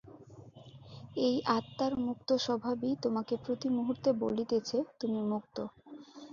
এই আত্মার মুক্ত স্বভাবই তোমাকে প্রতি মুহূর্তে বলিতেছে, তুমি মুক্ত।